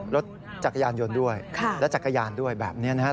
รถจักรยานยนต์ด้วยและจักรยานด้วยแบบนี้นะครับ